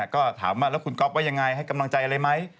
ก็ถามว่าแล้วคุณก๊อฟว่ายังไงให้กำลังใจอะไรไหม